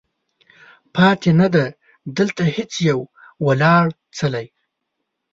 پاتې نه دی، دلته هیڅ یو ولاړ څلی